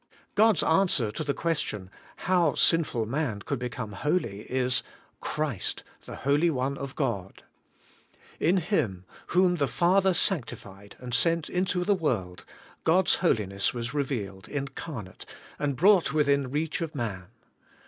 God's answer to the question. How sinful man could become holy? is, * Christ, the Holy One of 74 ABIDE IN CHRIST: God.' In Hin], whom the Father sanctified and sent into the world, God's holiness was revealed incarnate, and brought within reach of man.